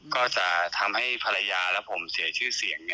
ก็จะทำให้ภรรยาและผมเสียชื่อเสียง